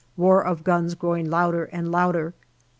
Roar of guns growing louder and louder.